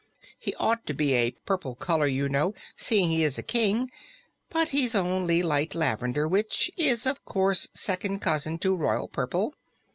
He ought to be a purple color, you know, seeing he is a King, but he's only light lavender, which is, of course, second cousin to royal purple.